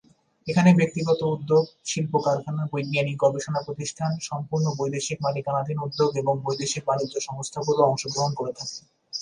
এখানে ব্যক্তিগত উদ্যোগ, শিল্প-কারখানা, বৈজ্ঞানিক গবেষণা প্রতিষ্ঠান, সম্পূর্ণ বৈদেশিক মালিকানাধীন উদ্যোগ এবং বৈদেশিক বাণিজ্য সংস্থাগুলো অংশগ্রহণ করে থাকে।